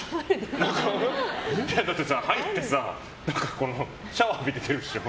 いや、だってさ入ってさシャワー浴びて出るでしょ。